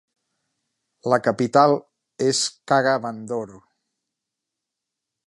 La capital és Kaga Bandoro.